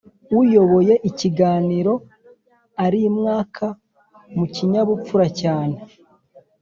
uyoboye ikiganiro arimwaka mu kinyabupfura cyane